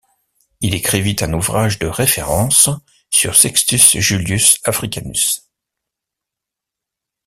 Il écrivit un ouvrage de référence sur Sextus Julius Africanus.